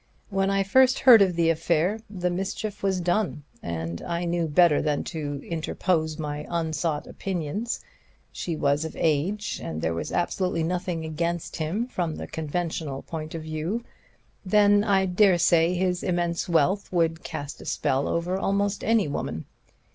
When I first heard of the affair the mischief was done, and I knew better than to interpose my unsought opinions. She was of age, and there was absolutely nothing against him from the conventional point of view. Then I dare say his immense wealth would cast a spell over almost any woman.